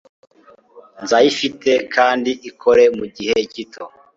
Nzayifite kandi ikore mugihe gito.